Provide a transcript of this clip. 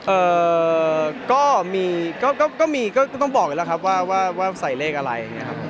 เอ่อก็มีก็ต้องบอกเลยครับว่าใส่เลขอะไร